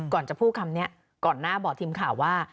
จะพูดคำนี้ก่อนหน้าบอกทีมข่าวว่า